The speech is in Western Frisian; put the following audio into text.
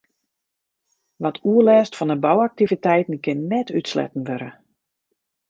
Wat oerlêst fan 'e bouaktiviteiten kin net útsletten wurde.